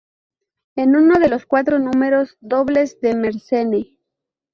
Es uno de los cuatro números dobles de Mersenne.